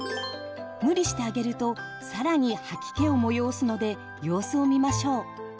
無理してあげると更に吐き気をもよおすので様子を見ましょう。